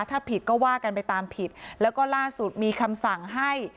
ถ้าผิดก็ว่ากันไปตามผิดแล้วก็ล่าสุดมีคำสั่งให้